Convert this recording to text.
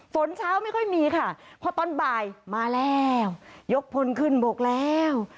ฝนเช้าไม่ค่อยมีค่ะพอตอนบ่ายมาแล้วยกพลขึ้นบกแล้ว